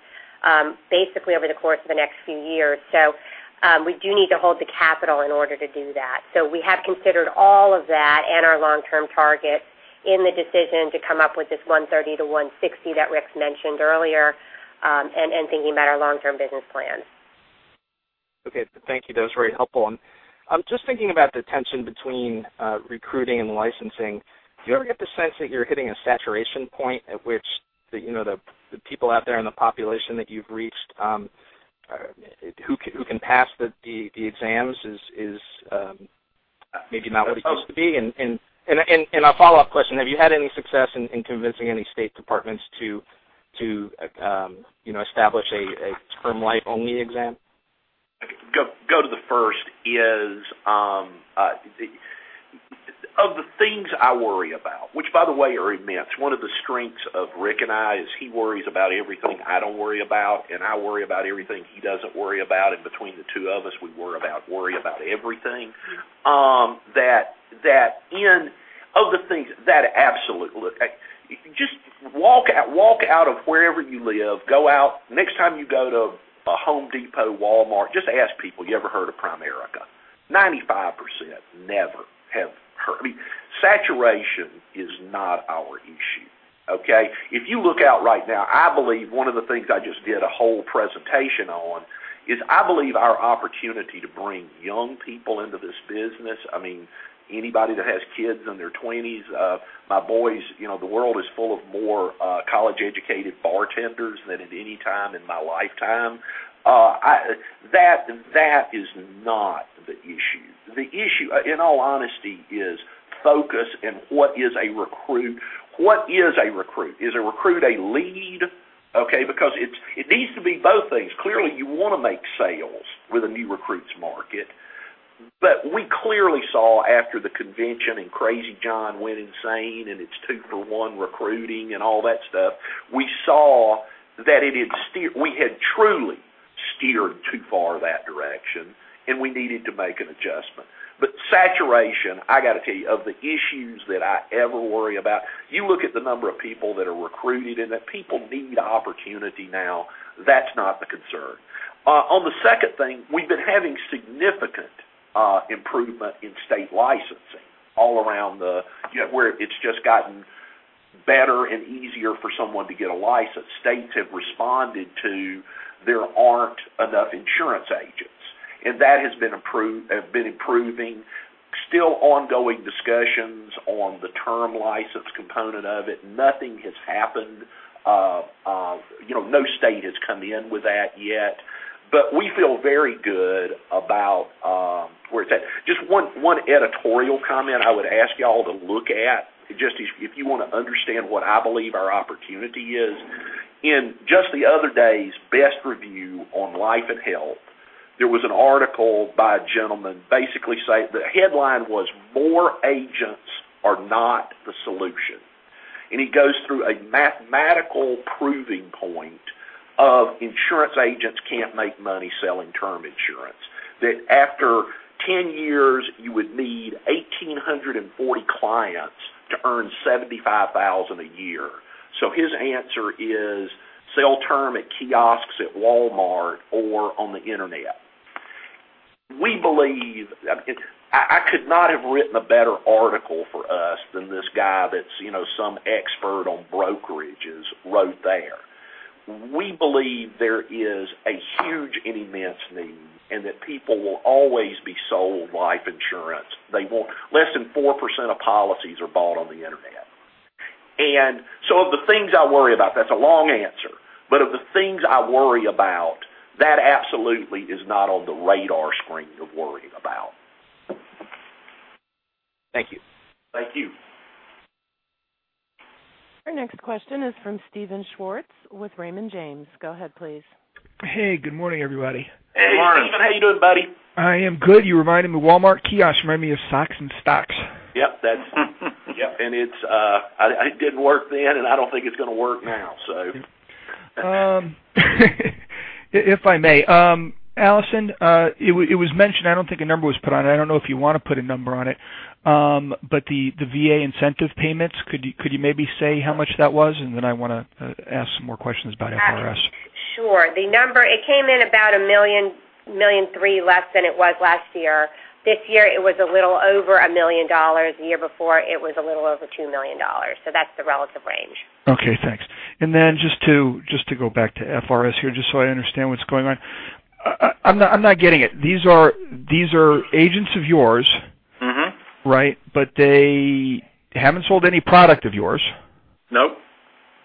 basically over the course of the next few years. We do need to hold the capital in order to do that. We have considered all of that and our long-term targets in the decision to come up with this 130-160 that Rick mentioned earlier, and thinking about our long-term business plans. Okay. Thank you. That was very helpful. I'm just thinking about the tension between recruiting and licensing. Do you ever get the sense that you're hitting a saturation point at which the people out there in the population that you've reached who can pass the exams is maybe not what it used to be? A follow-up question, have you had any success in convincing any state departments to establish a term life only exam? Go to the first is, of the things I worry about, which by the way are immense. One of the strengths of Rick and I is he worries about everything I don't worry about, and I worry about everything he doesn't worry about. Between the two of us, we worry about everything. That absolutely. Just walk out of wherever you live. Next time you go to a Home Depot, Walmart, just ask people, "You ever heard of Primerica?" 95% never have heard. Saturation is not our issue. Okay? If you look out right now, I believe one of the things I just did a whole presentation on is I believe our opportunity to bring young people into this business. Anybody that has kids in their twenties, my boys, the world is full of more college-educated bartenders than at any time in my lifetime. That is not the issue. The issue, in all honesty, is focus and what is a recruit. What is a recruit? Is a recruit a lead? Okay. Because it needs to be both things. Clearly, you want to make sales with a new recruits market. We clearly saw after the convention and Crazy John went insane, and it's two-for-one recruiting and all that stuff, we saw that we had truly steered too far that direction, and we needed to make an adjustment. Saturation, I got to tell you, of the issues that I ever worry about, you look at the number of people that are recruited and that people need opportunity now. That's not the concern. On the second thing, we've been having significant improvement in state licensing all around where it's just gotten better and easier for someone to get a license. States have responded to there aren't enough insurance agents, and that has been improving. Still ongoing discussions on the term license component of it. Nothing has happened. No state has come in with that yet, but we feel very good about where it's at. Just one editorial comment I would ask you all to look at, just if you want to understand what I believe our opportunity is. In just the other day's Best Review on life and health, there was an article by a gentleman basically saying, the headline was, "More Agents Are Not the Solution." He goes through a mathematical proving point of insurance agents can't make money selling term insurance. That after 10 years, you would need 1,840 clients to earn $75,000 a year. His answer is sell term at kiosks at Walmart or on the Internet. I could not have written a better article for us than this guy that's some expert on brokerages wrote there. We believe there is a huge and immense need, and that people will always be sold life insurance. Less than 4% of policies are bought on the Internet. So of the things I worry about, that's a long answer, but of the things I worry about, that absolutely is not on the radar screen to worry about. Thank you. Thank you. Our next question is from Steven Schwartz with Raymond James. Go ahead, please. Hey, good morning, everybody. Hey, Steven. How you doing, buddy? I am good. You reminded me of Walmart kiosk. Remind me of socks and stocks. Yep. It didn't work then, I don't think it's going to work now. If I may, Alison, it was mentioned, I don't think a number was put on it, I don't know if you want to put a number on it, but the VA incentive payments, could you maybe say how much that was? Then I want to ask some more questions about FRS. Sure. The number, it came in about $1.3 million less than it was last year. This year it was a little over $1 million. The year before it was a little over $2 million. That's the relative range. Okay, thanks. Then just to go back to FRS here, just so I understand what's going on. I'm not getting it. These are agents of yours. Right. They haven't sold any product of yours? Nope.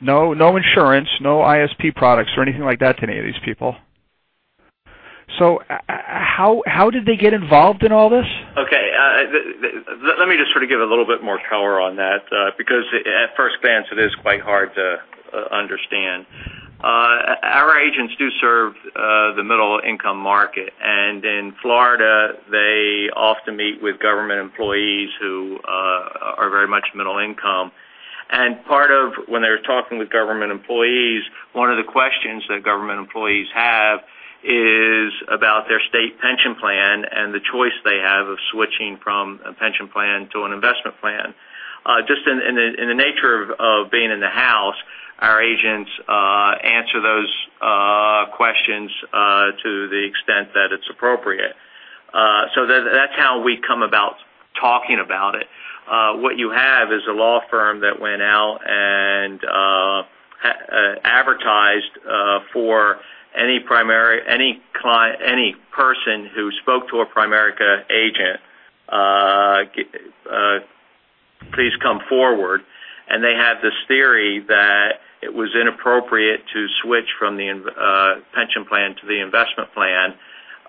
No insurance, no ISP products or anything like that to any of these people. How did they get involved in all this? Let me just sort of give a little bit more color on that, because at first glance, it is quite hard to understand. Our agents do serve the middle income market, and in Florida, they often meet with government employees who are very much middle income. Part of when they're talking with government employees, one of the questions that government employees have is about their state pension plan and the choice they have of switching from a pension plan to an investment plan. Just in the nature of being in the house, our agents answer those questions to the extent that it's appropriate. That's how we come about talking about it. What you have is a law firm that went out and advertised for any person who spoke to a Primerica agent, please come forward. They have this theory that it was inappropriate to switch from the pension plan to the investment plan,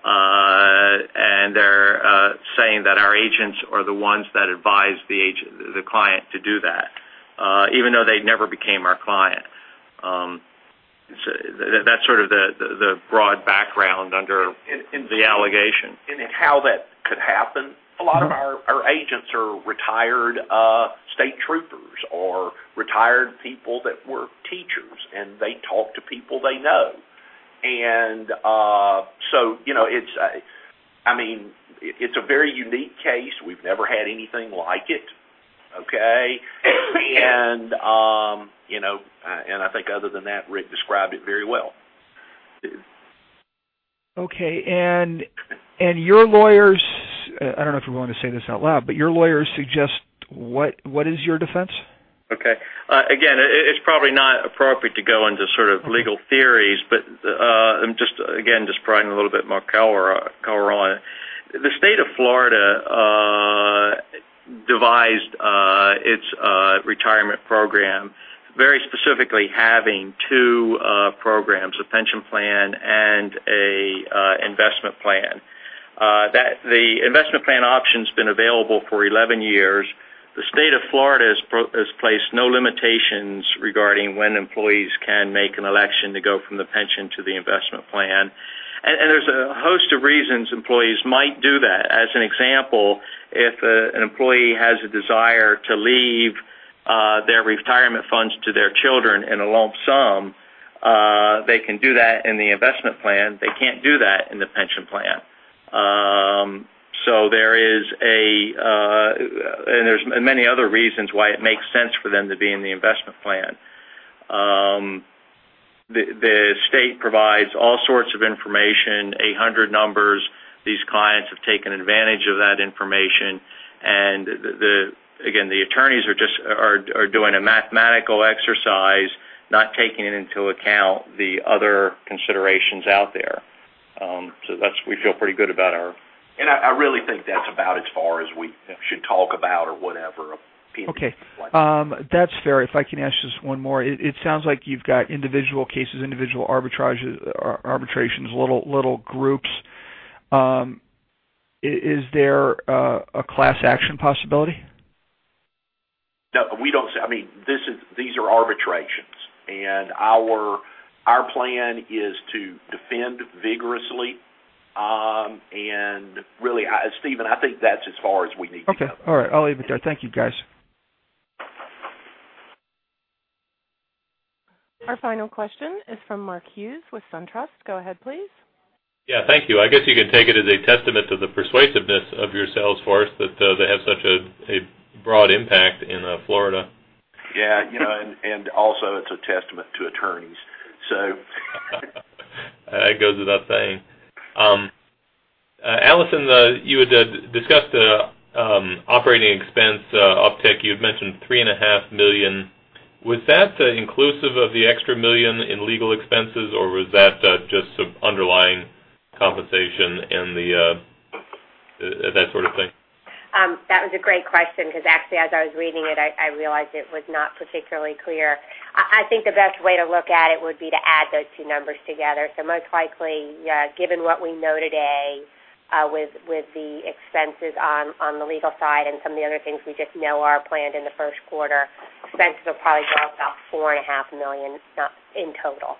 and they're saying that our agents are the ones that advised the client to do that, even though they never became our client. That's sort of the broad background under the allegation. How that could happen, a lot of our agents are retired state troopers or retired people that were teachers, and they talk to people they know. It's a very unique case. We've never had anything like it. Okay? I think other than that, Rick described it very well. Okay. Your lawyers, I don't know if you're willing to say this out loud, but your lawyers suggest, what is your defense? Okay. It's probably not appropriate to go into sort of legal theories, but just again, just providing a little bit more color on it. The state of Florida devised its retirement program very specifically having two programs, a Pension Plan and an Investment Plan. The Investment Plan option's been available for 11 years. The state of Florida has placed no limitations regarding when employees can make an election to go from the pension to the Investment Plan. There's a host of reasons employees might do that. As an example, if an employee has a desire to leave their retirement funds to their children in a lump sum, they can do that in the Investment Plan. They can't do that in the Pension Plan. There's many other reasons why it makes sense for them to be in the Investment Plan. The state provides all sorts of information, 800 numbers. These clients have taken advantage of that information. Again, the attorneys are doing a mathematical exercise, not taking into account the other considerations out there. We feel pretty good about our- I really think that's about as far as we should talk about or whatever. Okay. That's fair. If I can ask just one more, it sounds like you've got individual cases, individual arbitrations, little groups. Is there a class action possibility? No. These are arbitrations, and our plan is to defend vigorously. Really, Steven, I think that's as far as we need to go. Okay. All right. I'll leave it there. Thank you, guys. Our final question is from Mark Hughes with SunTrust. Go ahead, please. Yeah. Thank you. I guess you could take it as a testament to the persuasiveness of your sales force that they have such a broad impact in Florida. Yeah. Also, it's a testament to attorneys. That goes without saying. Alison, you had discussed operating expense uptick. You had mentioned $3.5 million. Was that inclusive of the extra $1 million in legal expenses, or was that just some underlying compensation and that sort of thing? That was a great question because actually, as I was reading it, I realized it was not particularly clear. I think the best way to look at it would be to add those two numbers together. Most likely, given what we know today, with the expenses on the legal side and some of the other things we just know are planned in the first quarter, expenses will probably go up about $4.5 million in total.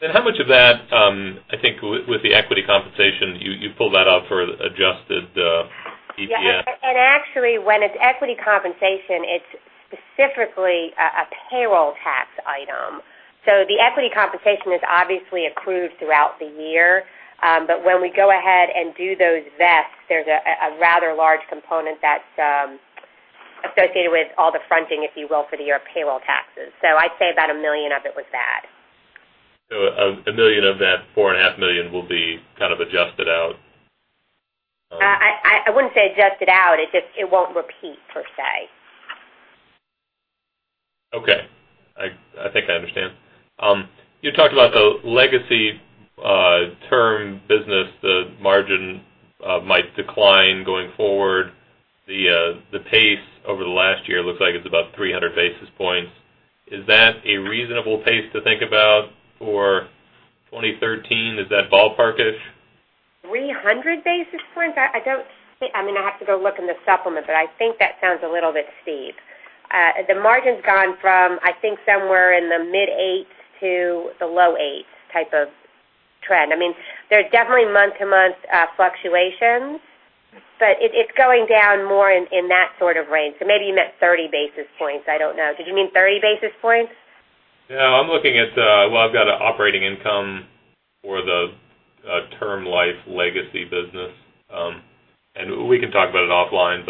How much of that, I think with the equity compensation, you pulled that out for adjusted EPS. Yeah. Actually, when it's equity compensation, it's specifically a payroll tax item. The equity compensation is obviously accrued throughout the year. When we go ahead and do those vets, there's a rather large component that's associated with all the fronting, if you will, for the year, payroll taxes. I'd say about $1 million of it was that. $1 million of that $4.5 million will be kind of adjusted out. I wouldn't say adjusted out. It just won't repeat, per se. Okay. I think I understand. You talked about the legacy term business, the margin might decline going forward. The pace over the last year looks like it's about 300 basis points. Is that a reasonable pace to think about for 2013? Is that ballpark-ish? 300 basis points? I have to go look in the supplement. I think that sounds a little bit steep. The margin's gone from, I think, somewhere in the mid-eights to the low eights type of trend. There's definitely month-to-month fluctuations. It's going down more in that sort of range. Maybe you meant 30 basis points. I don't know. Did you mean 30 basis points? No, I'm looking at the, well, I've got operating income for the term life legacy business. We can talk about it offline.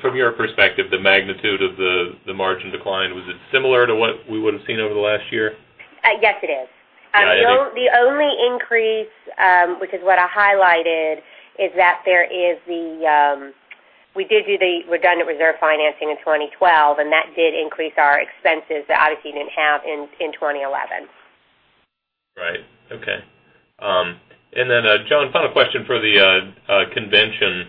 From your perspective, the magnitude of the margin decline, was it similar to what we would've seen over the last year? Yes, it is. Got it. The only increase, which is what I highlighted, is that we did do the redundant reserve financing in 2012, that did increase our expenses that obviously you didn't have in 2011. Right. Okay. John, final question for the convention.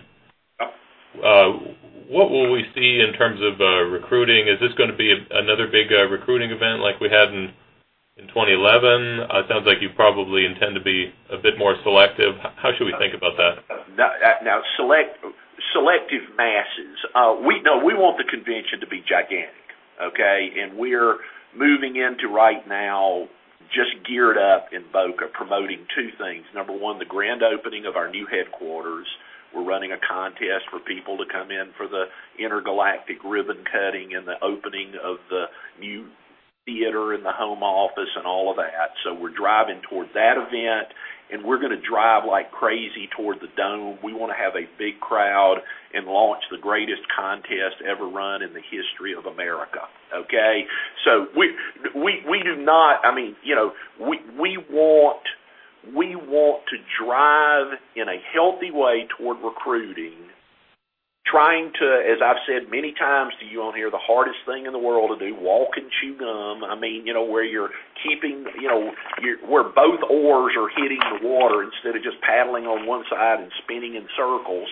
Yep. What will we see in terms of recruiting? Is this going to be another big recruiting event like we had in 2011? It sounds like you probably intend to be a bit more selective. How should we think about that? Selective masses. We want the convention to be gigantic, okay? We're moving into right now just geared up in Boca promoting two things. Number one, the grand opening of our new headquarters. We're running a contest for people to come in for the intergalactic ribbon cutting and the opening of the new theater in the home office and all of that. We're driving towards that event, and we're going to drive like crazy toward the Dome. We want to have a big crowd and launch the greatest contest ever run in the history of America. Okay? We want to drive in a healthy way toward recruiting, trying to, as I've said many times to you on here, the hardest thing in the world to do, walk and chew gum. Where both oars are hitting the water instead of just paddling on one side and spinning in circles.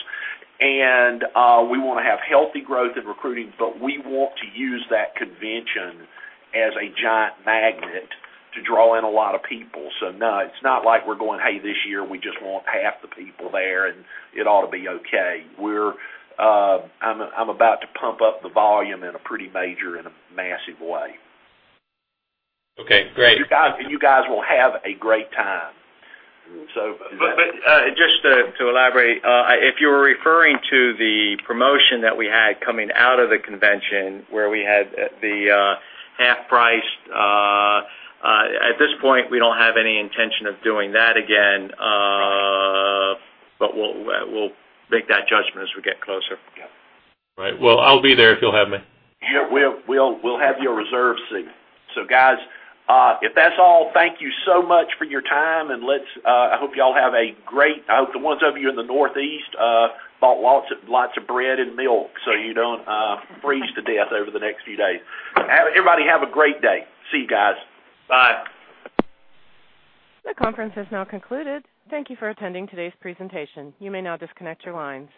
We want to have healthy growth in recruiting, but we want to use that convention as a giant magnet to draw in a lot of people. No, it's not like we're going, "Hey, this year, we just want half the people there, and it ought to be okay." I'm about to pump up the volume in a pretty major and a massive way. Okay, great. You guys will have a great time. Just to elaborate, if you were referring to the promotion that we had coming out of the convention where we had the half-price. At this point, we don't have any intention of doing that again. We'll make that judgment as we get closer. Yeah. Right. Well, I'll be there if you'll have me. Yeah. We'll have you reserved a seat. Guys, if that's all, thank you so much for your time, and I hope the ones of you in the Northeast bought lots of bread and milk so you don't freeze to death over the next few days. Everybody have a great day. See you guys. Bye. The conference has now concluded. Thank you for attending today's presentation. You may now disconnect your lines.